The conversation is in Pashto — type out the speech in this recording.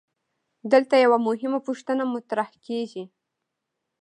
دلته یوه مهمه پوښتنه مطرح کیږي.